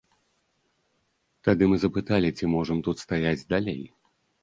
Тады мы запыталі, ці можам тут стаяць далей.